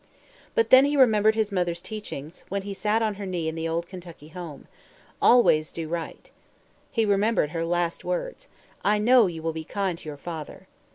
But then he remembered his mother's teachings when he sat on her knee in the old Kentucky home, "Always do right." He remembered her last words, "I know you will be kind to your father."